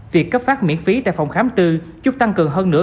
việc cấp phát miễn phí tại phòng khám tư giúp tăng cường hơn nữa